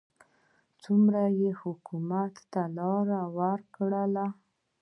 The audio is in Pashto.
څومره یې حکومت ته لار وکړه.